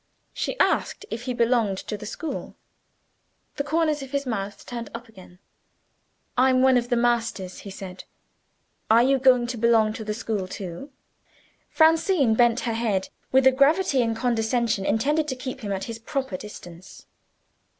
She asked if he belonged to the school. The corners of his mouth turned up again. "I'm one of the masters," he said. "Are you going to belong to the school, too?" Francine bent her head, with a gravity and condescension intended to keep him at his proper distance.